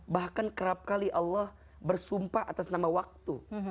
bahkan kerap kali allah bersumpah atas nama waktu